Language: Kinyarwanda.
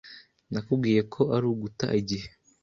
Nakubwiye ko ari uguta igihe.